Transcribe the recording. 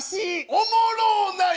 おもろうない！